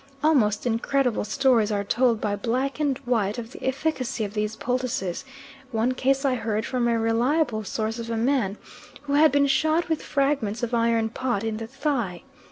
Almost incredible stories are told by black and white of the efficacy of these poultices; one case I heard from a reliable source of a man who had been shot with fragments of iron pot in the thigh.